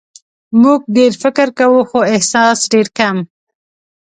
موږ ډېر فکر کوو خو احساس ډېر کم.